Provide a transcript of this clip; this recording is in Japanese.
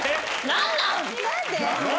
何なん？